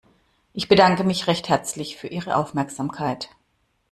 Ich bedanke mich recht herzlich für Ihre Aufmerksamkeit.